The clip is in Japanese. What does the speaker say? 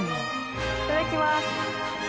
いただきます。